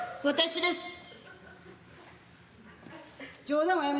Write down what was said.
私です。